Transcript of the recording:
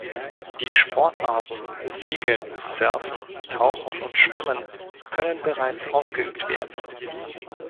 Die Sportarten Segeln, Surfen, Tauchen und Schwimmen können bereits ausgeübt werden.